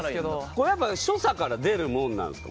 これやっぱ所作から出るものなんですか？